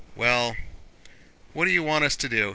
"Well, what do you want us to do?"